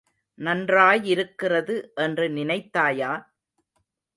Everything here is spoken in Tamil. நன்றாயிருக்கிறது என்று நினைத்தாயா?